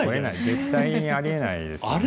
絶対にありえないですよね。